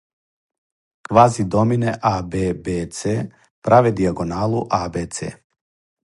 квази домине аб-бц праве дијагоналу абц